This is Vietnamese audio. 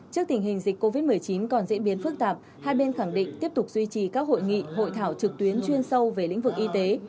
trước tình hình dịch covid một mươi chín còn diễn biến phức tạp hai bên khẳng định tiếp tục duy trì các hội nghị hội thảo trực tuyến chuyên sâu về lĩnh vực y tế